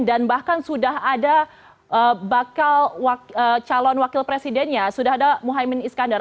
bahkan sudah ada bakal calon wakil presidennya sudah ada muhaymin iskandar